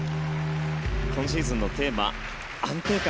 今シーズンのテーマ安定感。